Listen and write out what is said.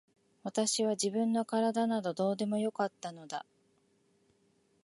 私は自分の体などどうでもよかったのだ。